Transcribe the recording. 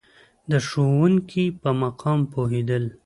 د ښوونکي په مقام پوهېدل.